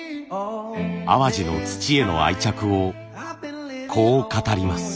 淡路の土への愛着をこう語ります。